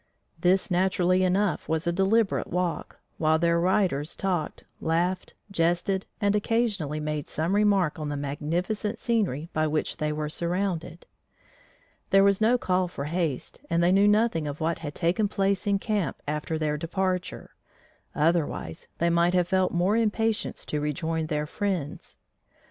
This naturally enough was a deliberate walk, while their riders talked, laughed, jested and occasionally made some remark on the magnificent scenery by which they were surrounded. There was no call for haste, and they knew nothing of what had taken place in camp after their departure; otherwise, they might have felt more impatience to rejoin their friends.